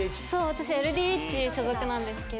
私ＬＤＨ所属なんですけど。